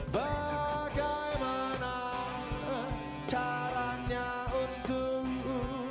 bagaimana caranya untuk